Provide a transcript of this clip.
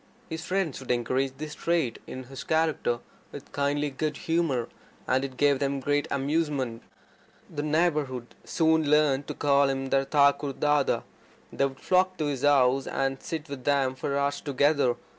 His friends would encourage this trait in his character with kindly good humour, and it gave them great amusement. The neighbourhood soon learnt to call him their Thakur Dada (Grandfather). They would flock to his house, and sit with him for hours together.